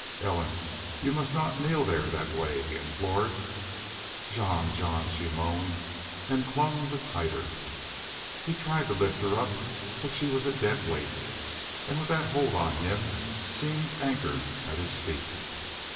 "Ellen, you must not kneel there that way," he implored. "Jean! Jean!" she moaned, and clung the tighter. He tried to lift her up, but she was a dead weight, and with that hold on him seemed anchored at his feet.